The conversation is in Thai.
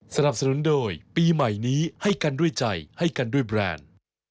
สนับสนุนโดยปีใหม่นี้ให้กันด้วยใจให้กันด้วยแบรนด์